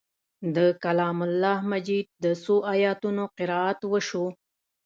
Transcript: د کلام الله مجید د څو آیتونو قرائت وشو.